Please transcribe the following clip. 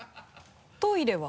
トイレは？